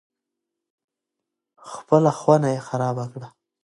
خپله خونه یې خرابه کړه.